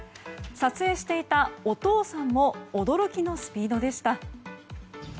撮影していたお父さんも驚きのスピードでした。